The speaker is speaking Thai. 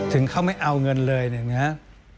ถึงเขาไม่เอาเงินเลยนะฮะ